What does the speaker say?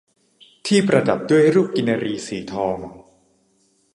ที่ประดับด้วยรูปกินรีสีทอง